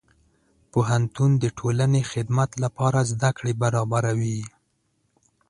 پوهنتون د ټولنې خدمت لپاره زدهکړې برابروي.